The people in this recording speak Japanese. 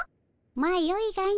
まあよいがの。